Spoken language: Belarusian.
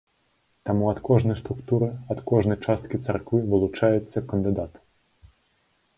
Таму ад кожнай структуры, ад кожнай часткі царквы вылучаецца кандыдат.